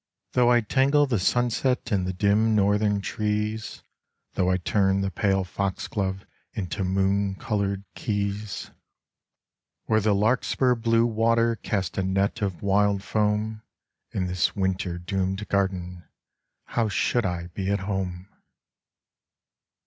Though I tangle the sunset In the dim northern trees, Though I turn the pale foxglove Into moon colored cays 65 The Caribbean Where the larkspur blue water Casts a net of wild foam, In this winter doomed garden How should I be at home?